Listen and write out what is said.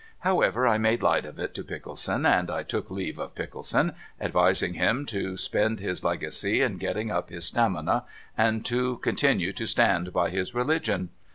Howsoever, I made light of it to Pickleson, and I look leave of Pickleson, advising him to spend his legacy in getting up his stamina, and to continue to stand by his religion.